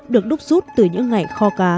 được đúc rút từ những ngày kho cá